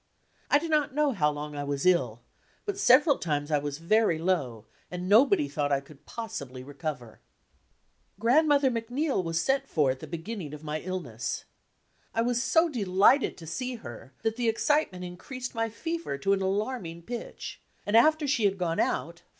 I do not know bow long I was ill, but several times I was very low and nobody thought I could possibly recover. Grandmother MacneiU was sent for at the beginning of my illness. I was so delighted to see her that the excitement increased my fever to an alarming pitch, and after she had gone out.